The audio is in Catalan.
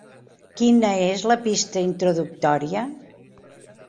Quina és la pista introductòria?